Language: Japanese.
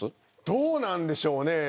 どうなんでしょうね。